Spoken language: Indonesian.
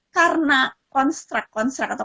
karena konstruk konstruk atau